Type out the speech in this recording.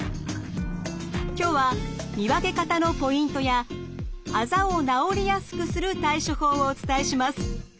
今日は見分け方のポイントやあざを治りやすくする対処法をお伝えします。